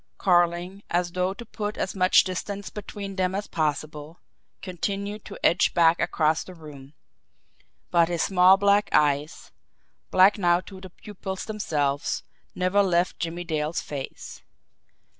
Carling, as though to put as much distance between them as possible, continued to edge back across the room but his small black eyes, black now to the pupils themselves, never left Jimmie Dale's face.